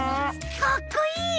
かっこいい！